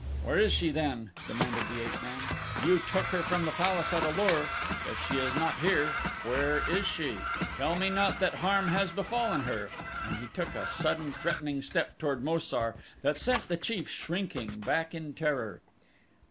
"Where is she, then?" demanded the ape man. "You took her from the palace at A lur. If she is not here, where is she? Tell me not that harm has befallen her," and he took a sudden threatening step toward Mo sar, that sent the chief shrinking back in terror.